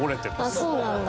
あっそうなんだ。